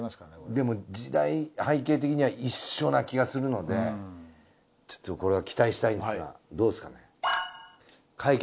でも時代背景的には一緒な気がするのでちょっとこれは期待したいんですがどうですかね？